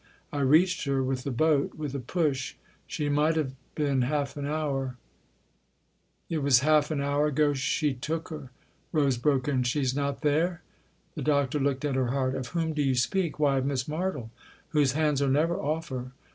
I reached her with the boat, with a push. She might have been half an hour "" It was half an hour ago she took her !" Rose broke in. " She's not there ?" The Doctor looked at her hard. " Of whom do you speak ?" "Why, of Miss Martle whose hands are never off her."